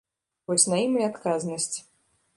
Вось на ім і адказнасць.